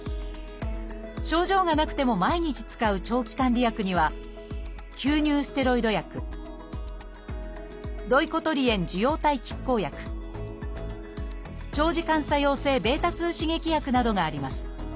症状がなくても毎日使う「長期管理薬」には吸入ステロイド薬ロイコトリエン受容体拮抗薬長時間作用性β刺激薬などがあります